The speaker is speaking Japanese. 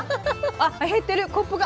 あっ減ってるコップが。